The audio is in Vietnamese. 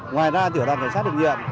ngoài ra tiểu đoàn cảnh sát đặc nhiệm